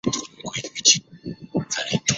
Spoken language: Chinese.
包含了完美的一切技术细节